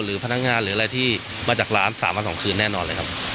พนักงานหรืออะไรที่มาจากร้าน๓วัน๒คืนแน่นอนเลยครับ